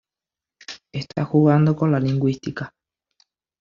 Está jugando con la lingüística.